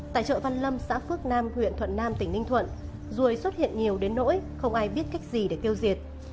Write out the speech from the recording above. tại chợ văn lâm xã phước nam huyện thuận nam tỉnh ninh thuận ruồi xuất hiện nhiều đến nỗi không ai biết cách gì để tiêu diệt